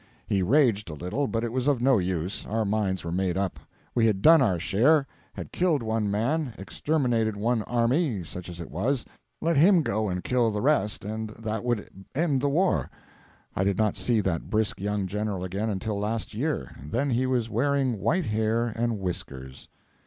He raged a little, but it was of no use; our minds were made up. We had done our share; had killed one man, exterminated one army, such as it was; let him go and kill the rest, and that would end the war. I did not see that brisk young general again until last year; then he was wearing white hair and whiskers.